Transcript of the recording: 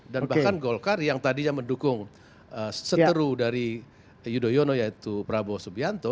bahkan golkar yang tadinya mendukung seteru dari yudhoyono yaitu prabowo subianto